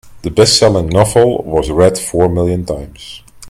The bestselling novel was read four million times.